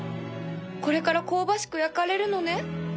これから香ばしく焼かれるのね